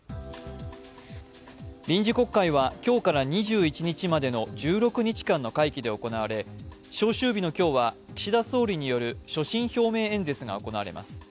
臨時国会は今日から２１日までの１６日間の会期で行われ召集日の今日は岸田総理による所信表明演説が行われます。